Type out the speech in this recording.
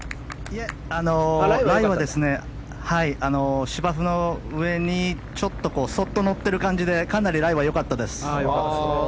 ライは芝生の上にそっと乗ってる感じでかなりライは良かったです。